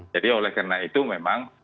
jadi oleh karena itu memang